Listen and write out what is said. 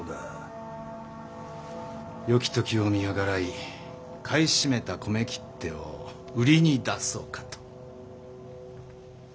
良き時を見計らい買い占めた米切手を売りに出そうかと。